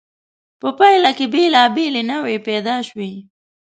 په پایله کې بېلابېلې نوعې پیدا شوې.